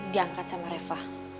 diangkat sama reva